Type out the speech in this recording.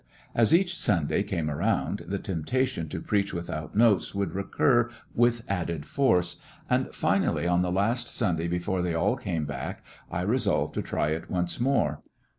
As each Sunday came around, the temptation to preach without notes would recur with added force, and finally, on the last Sunday before they all came back, I resolved to try it once more.